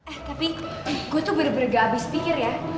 eh tapi gue tuh bener bener gak habis pikir ya